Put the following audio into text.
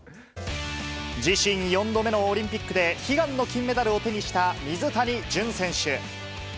自身４度目のオリンピックで、悲願の金メダルを手にした水谷隼選手。